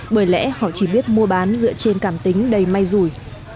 bởi lẽ họ chỉ biết mua bán dựa trên cảm tính đầy may rủi